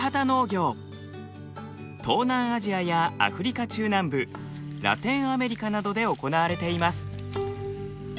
東南アジアやアフリカ中南部ラテンアメリカなどで行われています。